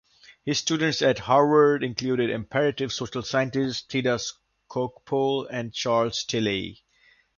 His students at Harvard included comparative social scientists Theda Skocpol, and Charles Tilly.